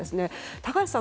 高橋さん